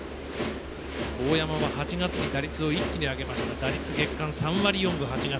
大山は８月に打率を一気に上げました８月の月間打率３割４分。